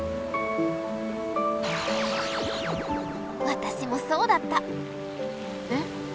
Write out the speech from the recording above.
私もそうだった。え？